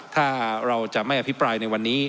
ถ้าเราจะไม่อภิปรายในวันนี้